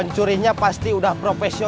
siapa ini tau